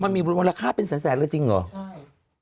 มันมีพอร์คาเป็นสารแสนแล้วจริงเหรอใช่